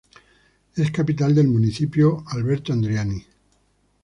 Es capital del municipio Alberto Adriani.